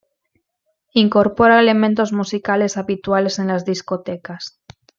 Incorpora elementos musicales habituales en las discotecas.